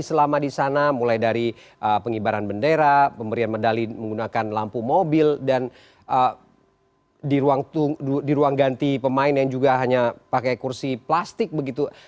selama di sana mulai dari pengibaran bendera pemberian medali menggunakan lampu mobil dan di ruang ganti pemain yang juga hanya pakai kursi plastik begitu